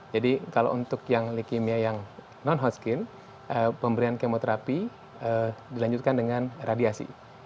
jadi kalau untuk yang leukemia yang non hot skin pemberian kemoterapi dilanjutkan dengan radiasi